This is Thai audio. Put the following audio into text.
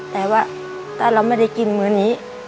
แต่ว่าถ้าเราไม่ได้กินมื้อนี้